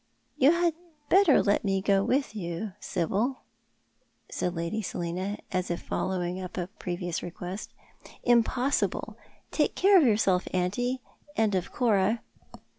" You had better let me go with you, Sibyl," said Lady Selina. as if following up a previous request. " Impossible. Take care of yourself, auntie, and of Cora."